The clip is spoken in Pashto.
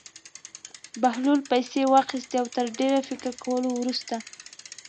بهلول پېسې واخیستې او تر ډېر فکر کولو وروسته.